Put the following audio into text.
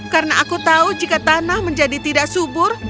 karena aku tahu jika tanah menjadi tidak subur